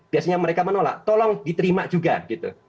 biasanya mereka menolak tolong diterima juga gitu